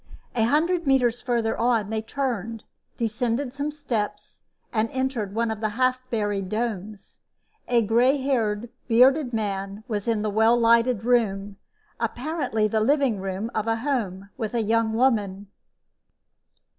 A hundred meters farther on, they turned, descended some steps and entered one of the half buried domes. A gray haired, bearded man was in the well lighted room, apparently the living room of a home, with a young woman.